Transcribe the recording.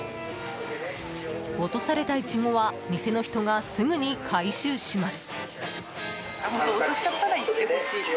落とされたイチゴは店の人がすぐに回収します。